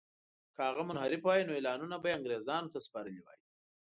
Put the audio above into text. که هغه منحرف وای نو اعلانونه به یې انګرېزانو ته سپارلي وای.